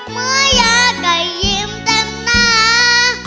เมื่อยาก็ยิ้มเต็มหน้า